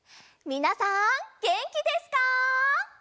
みなさんげんきですか？